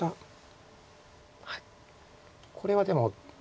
これはでも。